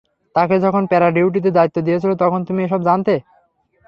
তাকে যখন প্যারা-ডিউটিতে দায়িত্ব দিয়েছিলে তখন তুমি এসব জানতে?